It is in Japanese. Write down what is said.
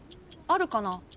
あるかな？